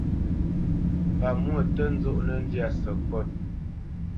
Pamwô tǝ́ nzɔnǝ́ ndyâ sǝkôt.